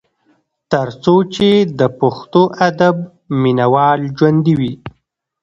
تر څو چې د پښتو ادب مينه وال ژوندي وي ۔